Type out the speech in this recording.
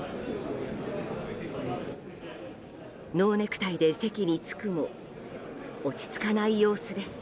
ノーネクタイで席に着くも落ち着かない様子です。